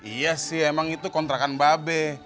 iya sih emang itu kontrakan mba be